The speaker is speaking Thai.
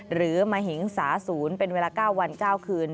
หรือมหิงสาศูนย์เป็นเวลา๙วัน๙คืน